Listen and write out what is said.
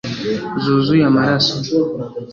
Zuzuye amaraso